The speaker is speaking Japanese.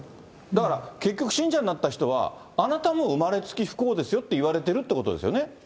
だから結局、信者になった人は、あなたも生まれつき不幸ですよって言われてるということですよね。